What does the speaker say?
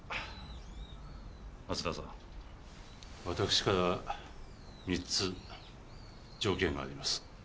私から３つ条件があります。